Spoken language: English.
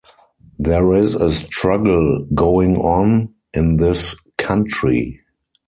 There is a struggle going on in this country.